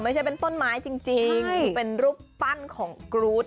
ไม่ใช่เป็นต้นไม้จริงเป็นรูปปั้นของกรูด